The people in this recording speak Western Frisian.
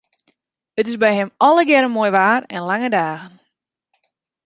It is by him allegearre moai waar en lange dagen.